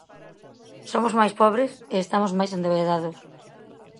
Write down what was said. Somos máis pobres e estamos máis endebedados.